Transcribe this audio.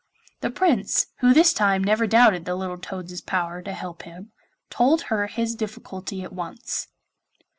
The Prince, who this time never doubted the little toad's power to help him, told her his difficulty at once.